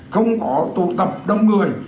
không có tụ tập đông người